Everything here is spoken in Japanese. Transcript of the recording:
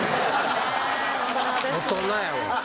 大人やわ。